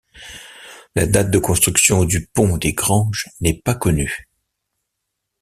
La date de construction du Pont des Granges n'est pas connue.